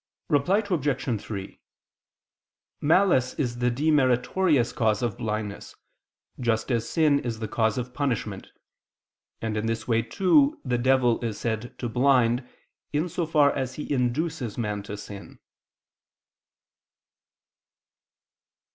Reply Obj. 3: Malice is the demeritorious cause of blindness, just as sin is the cause of punishment: and in this way too, the devil is said to blind, in so far as he induces man to sin.